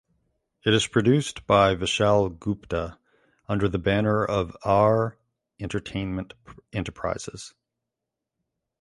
It is produced by Vishal Gupta under the banner of "Aar Entertainment Enterprises".